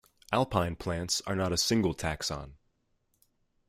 Alpine plants are not a single taxon.